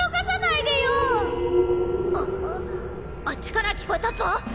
あっちから聞こえたっぞ！